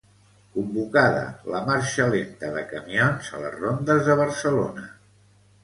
Convocada la marxa lenta de camions a les rondes de Barcelona.